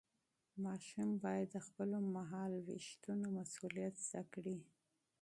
ماشوم باید د خپلو مهالوېشونو مسؤلیت زده کړي.